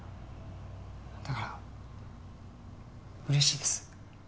だから嬉しいです。